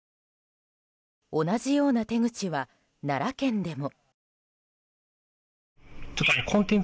同じような手口は奈良県でも。